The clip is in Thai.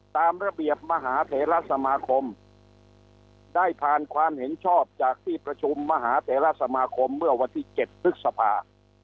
ตามระเบียบมหาเถระสมาคมได้ผ่านความเห็นชอบจากที่ประชุมมหาเถระสมาคมเมื่อวันที่๗พฤษภา